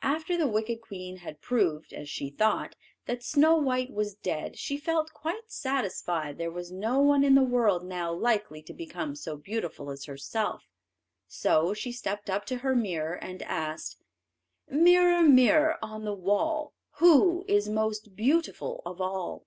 After the wicked queen had proved, as she thought, that Snow white was dead, she felt quite satisfied there was no one in the world now likely to become so beautiful as herself, so she stepped up to her mirror and asked: "Mirror, mirror on the wall, Who is most beautiful of all?"